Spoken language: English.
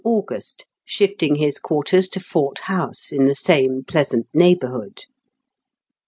August, shifting his quarters to Fort House, in the same pleasant neighbourhood.